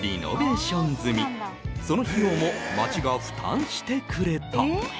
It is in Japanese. その費用も町が負担してくれた。